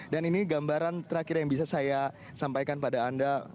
dan ini gambaran terakhir yang bisa saya sampaikan pada anda